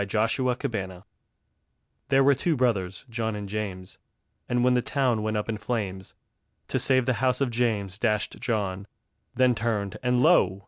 _ The Twins There were two brothers, John and James, And when the town went up in flames, To save the house of James dashed John, Then turned, and lo!